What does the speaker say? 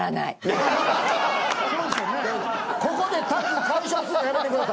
・ここでタッグ解消すんのやめてください。